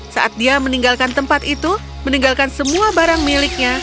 saat dia meninggalkan tempat itu meninggalkan semua barang miliknya